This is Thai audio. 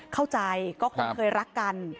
เข้าใจก็คงเคยรักกัน